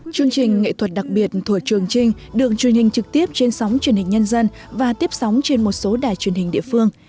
chương trình nghệ thuật đặc biệt thủa trường trinh được truyền hình trực tiếp trên sóng truyền hình nhân dân và tiếp sóng trên một số đài truyền hình địa phương